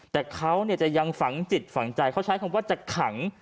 แต่เขาจะยังฝังจิตฝังใจเขาใช้คำว่าจะขัง